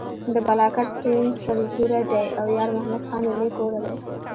د بالاکرز قیوم سرزوره دی او یارمحمد خان له لوی کوره دی.